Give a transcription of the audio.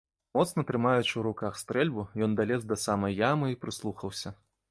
Моцна трымаючы ў руках стрэльбу, ён далез да самай ямы і прыслухаўся.